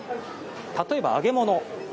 例えば、揚げ物。